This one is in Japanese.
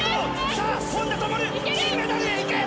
さあ本多灯銀メダルへいけ！